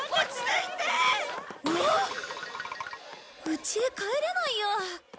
うちへ帰れないや。